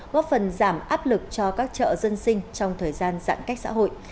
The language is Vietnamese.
góp phần giảm áp lực cho các chợ dân sinh trong thời gian giãn cách xã hội